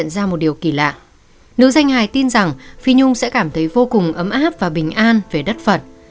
nữ doanh hài tin rằng phi nhung sẽ cảm thấy vô cùng ấm áp và bình an về đất phật